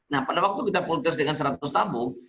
nah pada waktu kita pulkes dengan seratus tabung